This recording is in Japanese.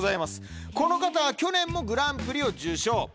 この方は去年もグランプリを受賞。